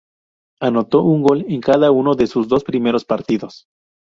Anotó un gol en cada uno de sus dos primeros partidos.